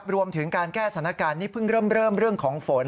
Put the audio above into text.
รวมถึงการแก้สถานการณ์นี้เพิ่งเริ่มเรื่องของฝน